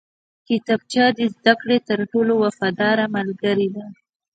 کتابچه د زده کړې تر ټولو وفاداره ملګرې ده